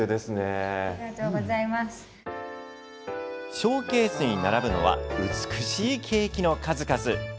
ショーケースに並ぶのは美しいケーキの数々。